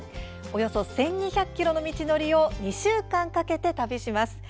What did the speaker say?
およそ１２００ｋｍの道のりを２週間かけて旅します。